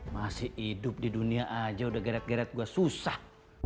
masih hidup di dunia aja udah geret geret gue susah